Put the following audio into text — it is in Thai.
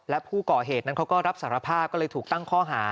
และผู้ก่อเหตุนั้นเขาก็รับสารภาพก็เลยถูกตั้งข้อหา